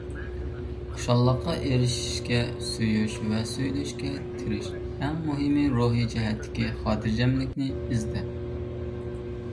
خۇشاللىققا ئېرىشىشكە، سۆيۈش ۋە سۆيۈلۈشكە تىرىش، ئەڭ مۇھىمى، روھىي جەھەتتىكى خاتىرجەملىكنى ئىزدە.